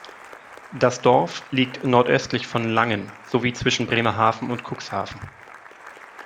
Das Dorf liegt nordöstlich von Langen sowie zwischen Bremerhaven und Cuxhaven.